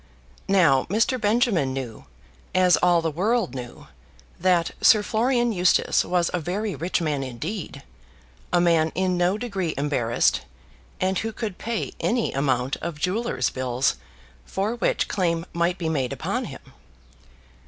Now Mr. Benjamin knew, as all the world knew, that Sir Florian Eustace was a very rich man indeed; a man in no degree embarrassed, and who could pay any amount of jewellers' bills for which claim might be made upon him.